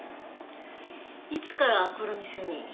いつからこの店に？